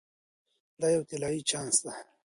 دا یو طلایی چانس دی.